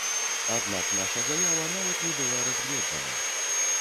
Аднак наша заява нават не была разгледжана.